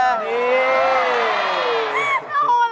นี่